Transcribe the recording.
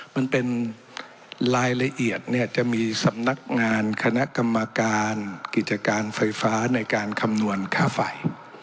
มันเป็นรายละเอียดเนี่ยจะมีสำนักงานคณะกรรมการกิจการไฟฟ้าในการคำนวณค่าไฟ